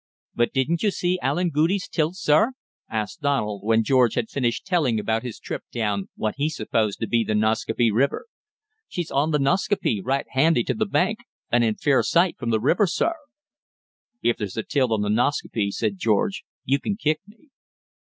"But didn't you see Allen Goudie's tilt, sir?" asked Donald, when George had finished telling about his trip down what he supposed to be the Nascaupee River. "She's on th' Nascaupee right handy to th' bank, and in fair sight from th' river, sir." "If there's a tilt on the Nascaupee," said George, "you can kick me."